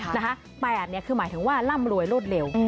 ยังไงคะ๘คือหมายถึงว่าร่ำรวยรวดเร็ว